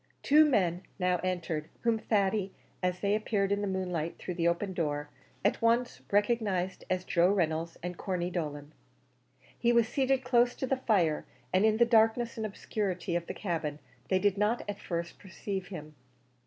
Two men now entered, whom Thady, as they appeared in the moonlight through the open door, at once recognised as Joe Reynolds and Corney Dolan. He was seated close to the fire, and in the darkness and obscurity of the cabin, they did not at first perceive him.